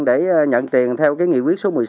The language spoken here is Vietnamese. để nhận tiền theo nghị quyết số một mươi sáu